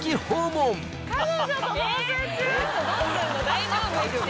大丈夫？